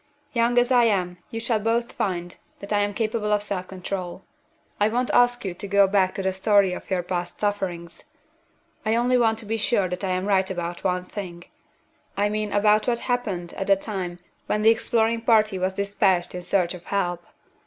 Young as I am, you shall both find that I am capable of self control. I won't ask you to go back to the story of your past sufferings; I only want to be sure that I am right about one thing I mean about what happened at the time when the exploring party was dispatched in search of help.